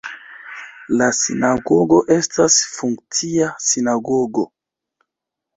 La sinagogo estas funkcia sinagogo.